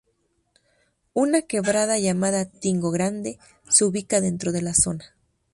Una quebrada llamada Tingo Grande se ubica dentro de la zona.